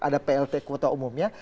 ada plt kuota umumnya